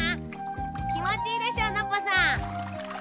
きもちいいでしょノッポさん。